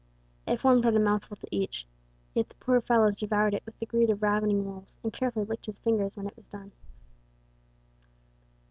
It formed but a mouthful to each, yet the poor fellows devoured it with the greed of ravening wolves, and carefully licked their fingers when it was done.